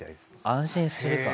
安心するか。